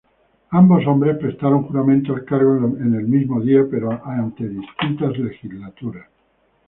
Ambos hombres prestaron juramento al cargo en el mismo día pero ante distintas legislaturas.